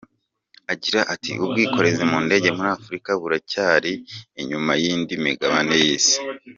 Agira ati “Ubwikorezi mu ndege muri Afurika buracyari inyuma y’indi migabane y’isi.